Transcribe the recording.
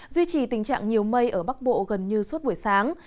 duy trì tình trạng nhiều mây ở bắc bộ gần như suốt buổi sáng